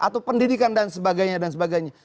atau pendidikan dan sebagainya